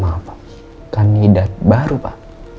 maaf pak kandidat baru pak